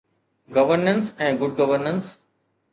Governance ۽ good governance.